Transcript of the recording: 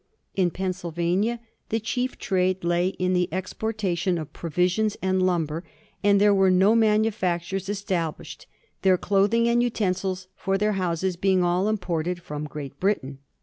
In Pennsylvania the ' chief trade lay in the exportation of provisions and lumber,' and there were ^ no manufactures established, their cloth ing and utensils for their houses being all imported from Great Britain.'